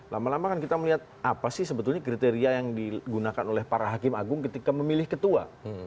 lama lama kan kita melihat apa sih sebetulnya kriteria yang digunakan oleh para hakim agung ketika memilih ketua